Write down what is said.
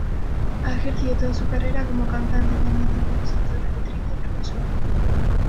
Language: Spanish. Ha ejercido toda su carrera como cantante, pianista, compositora, letrista y profesora.